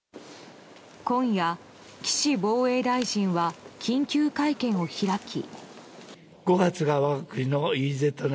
今夜、岸防衛大臣は緊急会見を開き。